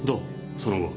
その後。